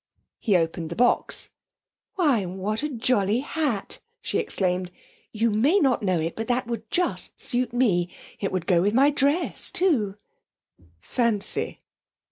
He opened the box. 'Why, what a jolly hat!' she exclaimed. 'You may not know it, but that would just suit me; it would go with my dress, too.' 'Fancy.'